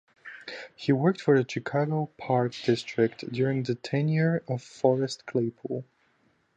He worked for the Chicago Park District during the tenure of Forrest Claypool.